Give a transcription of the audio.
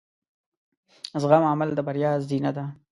د زغم عمل د بریا زینه ده.